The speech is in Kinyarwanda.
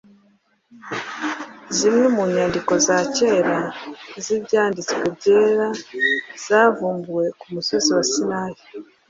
Zimwe mu nyandiko za kera z’Ibyanditswe Byera zavumbuwe ku Musozi wa Sinayi